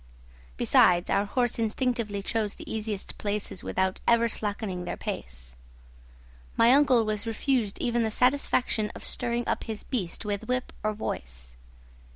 Besides, our horses instinctively chose the easiest places without ever slackening their pace. My uncle was refused even the satisfaction of stirring up his beast with whip or voice.